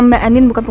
nggak ada di jakarta